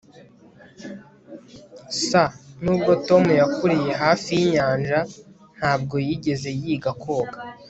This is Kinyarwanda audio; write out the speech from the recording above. s] nubwo tom yakuriye hafi yinyanja, ntabwo yigeze yiga koga